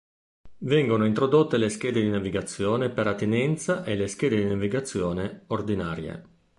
Vengono introdotte le schede di navigazione per attinenza e le schede di navigazione "ordinarie".